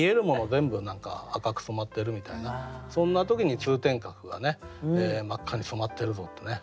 全部が赤く染まってるみたいなそんな時に通天閣が真っ赤に染まってるぞってね。